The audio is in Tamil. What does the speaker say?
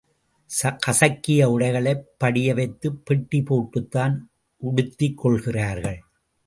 கசக்கிய உ.டைகளைப் படியவைத்துப் பெட்டி போட்டுத்தான் உடுத்திக்கொள்கிறார்கள்.